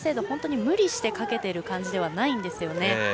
本当に無理してかけている感じではないんですよね。